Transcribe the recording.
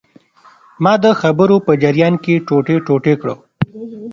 ما د خبرو په جریان کې ټوټې ټوټې کړ.